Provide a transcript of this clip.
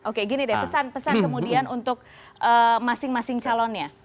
oke gini deh pesan pesan kemudian untuk masing masing calonnya